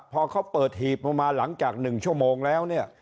พอเขาเปิดหีบลงมาหลังจาก๑ชั่วโมงแล้วเนี่ย